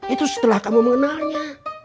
itu setelah kamu mengenalnya